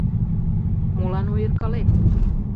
«Молан ойыркалет?